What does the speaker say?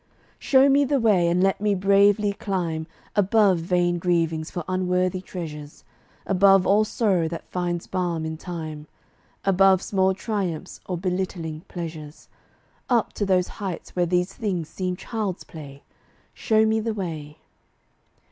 Show me the way, and let me bravely climb Above vain grievings for unworthy treasures; Above all sorrow that finds balm in time; Above small triumphs or belittling pleasures; Up to those heights where these things seem child's play: Show me the way.